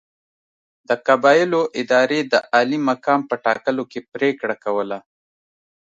د قبایلو ادارې د عالي مقام په ټاکلو کې پرېکړه کوله.